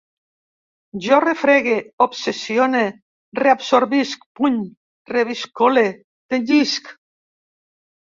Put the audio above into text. Jo refregue, obsessione, reabsorbisc, puny, reviscole, tenyisc